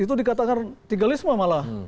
itu dikatakan tigalisme malah